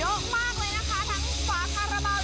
เยอะมากเลยนะคะทั้งฝาคาราบาล